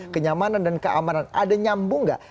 kenyamanan dan keamanan ada nyambung nggak